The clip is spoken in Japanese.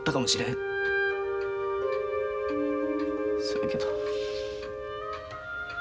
そやけど。